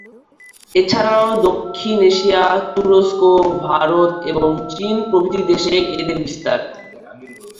এছাড়াও দক্ষিণ এশিয়া, তুরস্ক, ভারত এবং চীন প্রভৃতি দেশে এদের বিস্তার।